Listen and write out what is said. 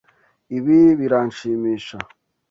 Ibi biranshimisha?